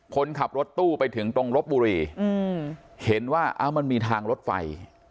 คนขับรถตู้ไปถึงตรงลบบุรีเห็นว่ามันมีทางรถไฟ